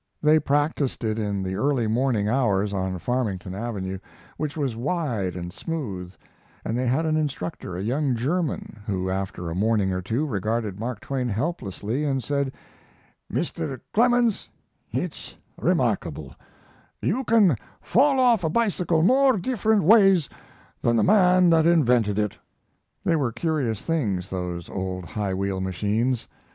They practised in the early morning hours on Farmington Avenue, which was wide and smooth, and they had an instructor, a young German, who, after a morning or two, regarded Mark Twain helplessly and said: "Mr. Clemens, it's remarkable you can fall off of a bicycle more different ways than the man that invented it." They were curious things, those old high wheel machines.